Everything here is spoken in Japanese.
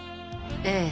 ええ。